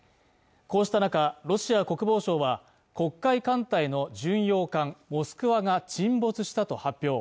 こうした中ロシア国防省は黒海艦隊の巡洋艦「モスクワ」が沈没したと発表